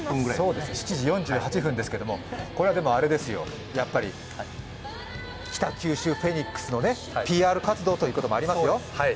７時４８ですけどもやっぱり北九州フェニックスのＰＲ活動ということもありますよ。